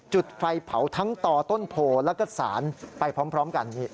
จุดไฟเผาทั้งต่อต้นโพแล้วก็สารไปพร้อมกัน